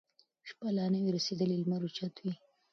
شپه لا نه وي رسېدلې لمر اوچت وي